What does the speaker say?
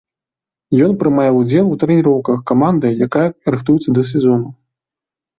Ён прымае ўдзел у трэніроўках каманды, якая рыхтуецца да сезону.